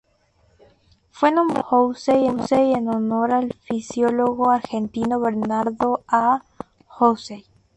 Fue nombrado Houssay en honor al fisiólogo argentino Bernardo A. Houssay.